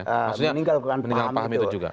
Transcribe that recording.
maksudnya meninggalkan paham itu